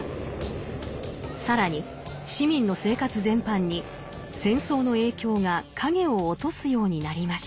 更に市民の生活全般に戦争の影響が影を落とすようになりました。